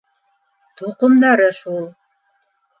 Тоҡомдары шул.